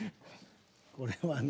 これはな。